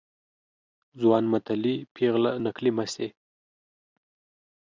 ځوان متلي ، پيغله نکلي مه سي.